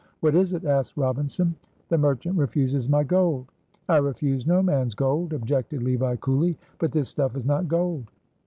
"What is it?" asked Robinson. "The merchant refuses my gold." "I refuse no man's gold," objected Levi coolly, "but this stuff is not gold."